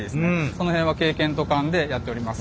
その辺は経験と勘でやっております。